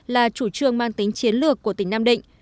là chủ trương mang tính chiến lược của tỉnh nam định